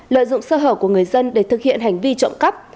lợi dụng sơ hở của người dân để thực hiện hành vi trộm cắp